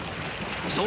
そう